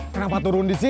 kenapa turun di sini